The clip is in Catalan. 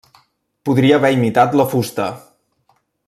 Podria haver imitat la fusta.